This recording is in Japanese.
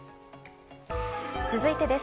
続いてです。